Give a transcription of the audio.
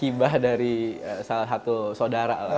hibah dari salah satu saudara lah